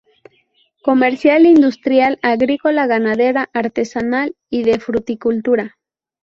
Comercial, industrial, agrícola, ganadera, artesanal y de fruticultura.